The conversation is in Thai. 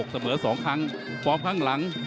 เสมอ๒ครั้งฟอร์มข้างหลัง